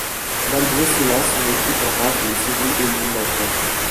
Malgré cela, son équipe rate les séries éliminatoires.